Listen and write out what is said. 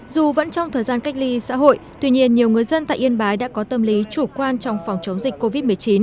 dù vẫn trong thời gian cách ly xã hội tuy nhiên nhiều người dân tại yên bái đã có tâm lý chủ quan trong phòng chống dịch covid một mươi chín